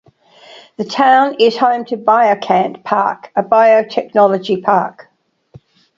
The town is home to Biocant Park, a biotechnology park.